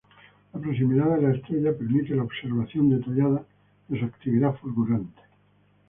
La proximidad de la estrella permite la observación detallada de su actividad fulgurante.